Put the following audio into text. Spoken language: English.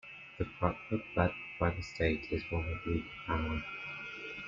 The fatwa backed by the State is the one with legal power.